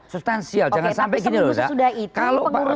substansial jangan sampai gini lho